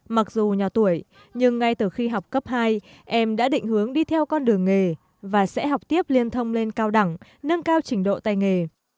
mặc dù nhỏ tuổi nhưng ngay từ khi học cấp hai em đã định hướng đi theo con đường nghề và sẽ học tiếp liên thông lên cao đẳng nâng cao trình độ tay nghề